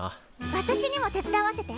私にも手伝わせて。